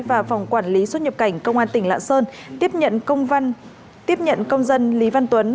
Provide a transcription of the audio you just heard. và phòng quản lý xuất nhập cảnh công an tỉnh lạ sơn tiếp nhận công dân lý văn tuấn